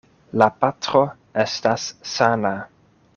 La patro estas sana.